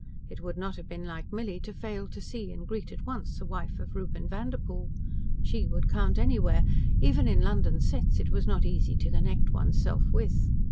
It would not have been like Milly to fail to see and greet at once the wife of Reuben Vanderpoel. She would count anywhere, even in London sets it was not easy to connect one's self with.